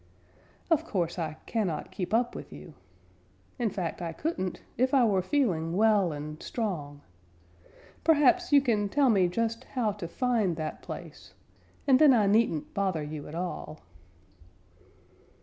Of course I cannot keep up with you. In fact, I couldn't if I were feeling well and strong. Perhaps you can tell me just how to find that place, and then I needn't bother you at all."